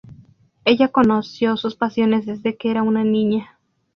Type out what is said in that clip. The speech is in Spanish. Ella conoció sus pasiones desde que era una niña.